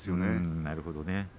なるほどね。